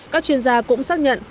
các chuyên gia cũng xác nhận